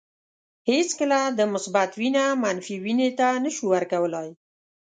هیڅکله د مثبت وینه منفي وینې ته نشو ورکولای.